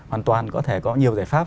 hoàn toàn có thể có nhiều giải pháp